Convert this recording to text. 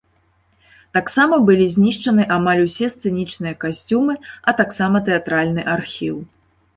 Таксама былі знішчаны амаль ўсе сцэнічныя касцюмы, а таксама тэатральны архіў.